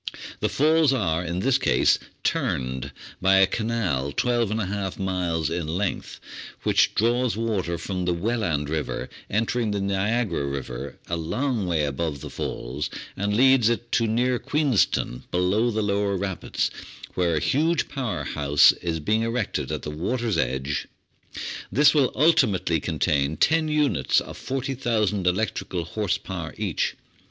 The Falls are in this case "turned" by a canal, l2^/ 2 miles in length, which draws water from the Welland River entering the Niagara River a long way above the Falls, and leads it to near Queenston, below the lower rapids, where a huge power house is being erected at the water's edge. This will ultimately contain ten units of 40,000 electrical horse power each.